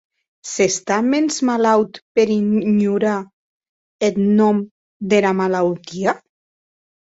S’està mens malaut per ignorar eth nòm dera malautia?